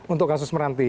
untuk kasus meranti